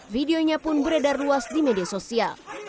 videonya pun beredar luas di media sosial